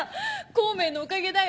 孔明のおかげだよ！